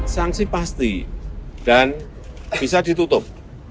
sanksi pasti dan bisa ditutup